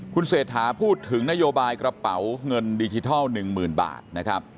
คุณเศรษฐาพูดถึงนโยบายกระเป๋าเงินดิจิทัล๑๐๐๐บาทนะครับ